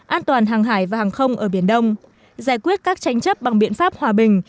an toàn hàng hải và hàng không ở biển đông giải quyết các tranh chấp bằng biện pháp hòa bình